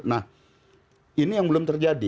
nah ini yang belum terjadi